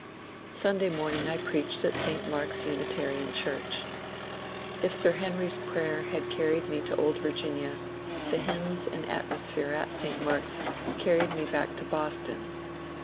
Sunday morning I preached at St. Mark's Unitarian church. If Sir Henry's prayer had carried me to old Virginia, the hymns and atmosphere at St. Mark's carried me back to Bos ton.